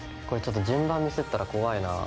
これちょっと順番ミスったら怖いな。